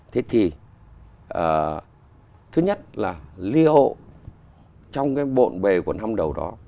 thế thì thứ nhất là leo trong cái bộn bề của năm đầu đó